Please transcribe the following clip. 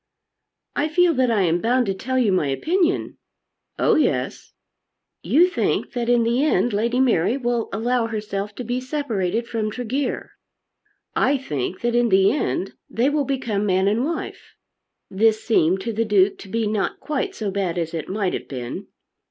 "I feel that I am bound to tell you my opinion." "Oh yes." "You think that in the end Lady Mary will allow herself to be separated from Tregear. I think that in the end they will become man and wife." This seemed to the Duke to be not quite so bad as it might have been.